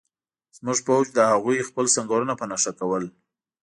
زموږ پوځ د هغوی خپل سنګرونه په نښه کول